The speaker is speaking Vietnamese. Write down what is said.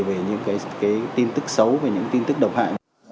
về những tin tức xấu về những tin tức độc hại